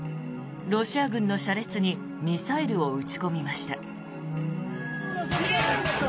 ロシア軍の車列にミサイルを撃ち込みました。